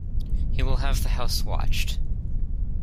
He will have the house watched.